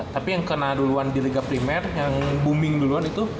tapi yang kena duluan di liga primer yang booming duluan itu